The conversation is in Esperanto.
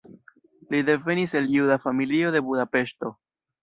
Li devenis el juda familio de Budapeŝto.